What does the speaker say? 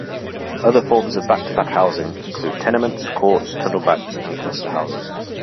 Other forms of back-to-back housing include tenements, courts, tunnel-backs and cluster houses.